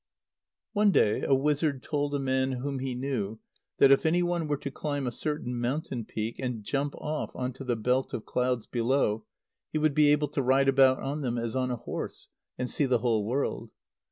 _ One day a wizard told a man whom he knew that, if any one were to climb a certain mountain peak and jump off on to the belt of clouds below, he would be able to ride about on them as on a horse, and see the whole world.